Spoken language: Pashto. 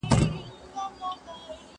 ¬ چي لاس و درېږي، خوله درېږي.